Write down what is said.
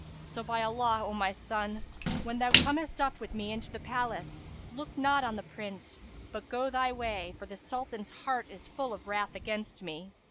So by Allah, O my son, when thou comest up with me into the palace, look not on the Prince, but go thy way; for the Sultan's heart is full of wrath against me."